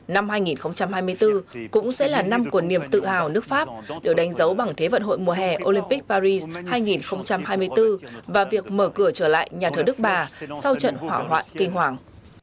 năm hai nghìn hai mươi bốn cũng sẽ là năm của niềm tự hào nước pháp được đánh dấu bằng thế vận hội mùa hè olympic paris hai nghìn hai mươi bốn và việc mở cửa trở lại nhà thờ đức bà sau trận hỏa hoạn kinh hoàng